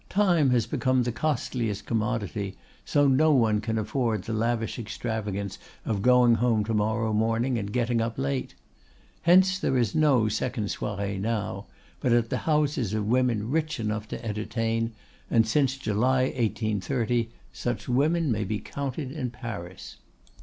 Time has become the costliest commodity, so no one can afford the lavish extravagance of going home to morrow morning and getting up late. Hence, there is no second soiree now but at the houses of women rich enough to entertain, and since July 1830 such women may be counted in Paris.